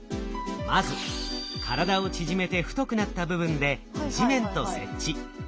まず体を縮めて太くなった部分で地面と接地。